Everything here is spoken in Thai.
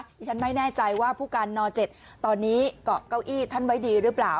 ที่ฉันไม่แน่ใจว่าผู้การน๗ตอนนี้เกาะเก้าอี้ท่านไว้ดีหรือเปล่า